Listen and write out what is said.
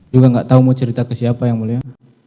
juga gak tau mau cerita ke siapa ya mulia